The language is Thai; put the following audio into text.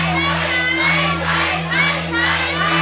ไม่ใช้